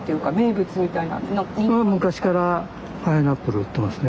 昔からパイナップル売ってますね。